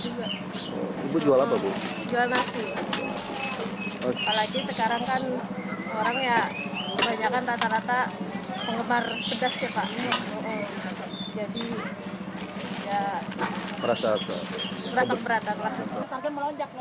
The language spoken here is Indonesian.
juga untuk jual apa bu jual nasi maksudnya sekarang kan orangnya kebanyakan rata rata penggemar pedasnya pak